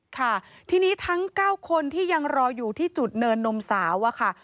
ค่ะทีนี้ทั้ง๙คนที่ยังรออยู่ที่จุดเนินนมสาวอะค่ะ